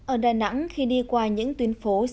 ở đà nẵng khi đi qua những tuyến phố